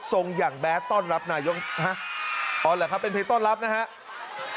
ส่งอย่างแบดต้อนรับนายกฮะอ๋อเหรอครับเป็นเพลงต้อนรับนะครับ